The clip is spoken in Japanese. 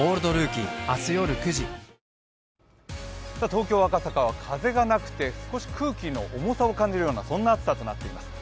東京・赤坂は風がなくて少し空気の重さを感じるような気温になっています。